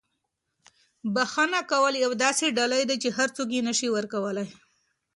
بښنه کول یوه داسې ډالۍ ده چې هر څوک یې نه شي ورکولی.